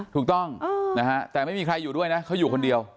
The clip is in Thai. ถูกต้องนะฮะแต่ไม่มีใครอยู่ด้วยนะเขาอยู่คนเดียว